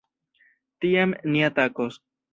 Tiam, ni atakos.